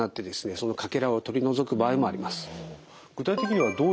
そのかけらを取り除く場合もあります。